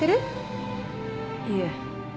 いえ。